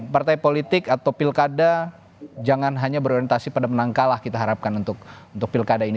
partai politik atau pilkada jangan hanya berorientasi pada menang kalah kita harapkan untuk pilkada ini